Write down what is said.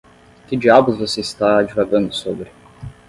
Que diabos você está divagando sobre?